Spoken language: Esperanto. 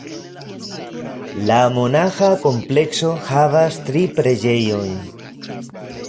La monaĥa komplekso havas tri preĝejojn.